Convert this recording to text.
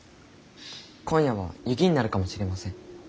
今夜は雪になるかもしれません。